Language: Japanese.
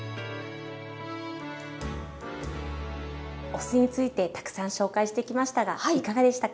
お酢についてたくさん紹介してきましたがいかがでしたか。